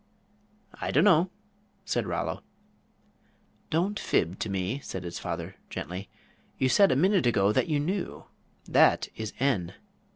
"I dunno," said Rollo. "Don't fib to me," said his father, gently, "you said a minute ago that you knew. That is N."